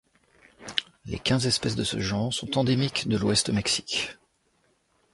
Les quinze espèces de ce genre sont endémiques de l'Ouest Mexique.